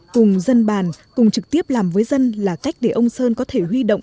cùng dân bàn cùng trực tiếp làm với dân là cách để ông sơn có thể huy động